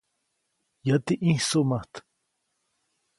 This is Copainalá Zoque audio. Yäti ʼĩjsuʼmät.